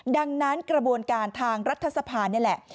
ดังนั้นกระบวนการทางรัฐสภานี่แหละ